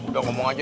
udah ngomong aja